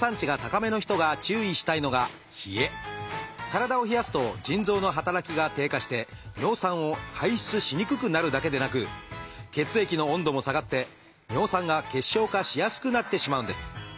体を冷やすと腎臓の働きが低下して尿酸を排出しにくくなるだけでなく血液の温度も下がって尿酸が結晶化しやすくなってしまうんです。